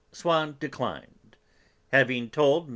Swann declined. Having told M.